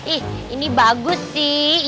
ih ini bagus sih